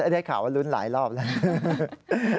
ได้ข่าวว่าลุ้นหลายรอบแล้ว